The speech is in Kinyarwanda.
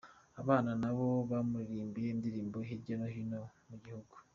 Abana nabo bamuririmbiye indirimbo hirya no hino mu gihugu.